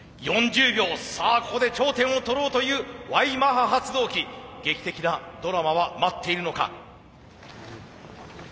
さあここで頂点を取ろうというＹマハ発動機劇的なドラマは待っているのか。